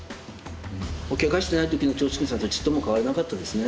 けがしてない時の趙治勲さんとちっとも変わりなかったですね。